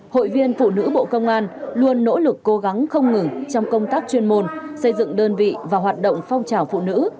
hội viên phụ nữ bộ công an luôn nỗ lực cố gắng không ngừng trong công tác chuyên môn xây dựng đơn vị và hoạt động phong trào phụ nữ